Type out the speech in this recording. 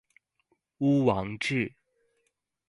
巫王志